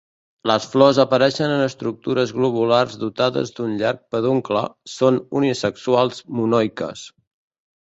Les flors apareixen en estructures globulars dotades d'un llarg peduncle, són unisexuals monoiques.